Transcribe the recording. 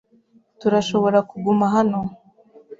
Turashobora kuguma hano?